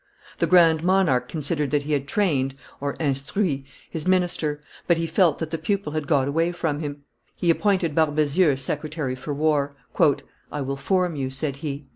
The Grand Monarque considered that he had trained (instruit) his minister, but he felt that the pupil had got away from him. He appointed Barbezieux secretary for war. "I will form you," said he.